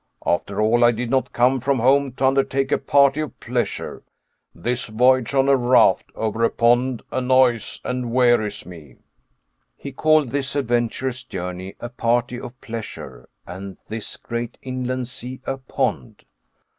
After all, I did not come from home to undertake a party of pleasure. This voyage on a raft over a pond annoys and wearies me." He called this adventurous journey a party of pleasure, and this great inland sea a pond!